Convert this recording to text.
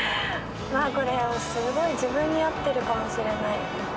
これすごい自分に合ってるかもしれない。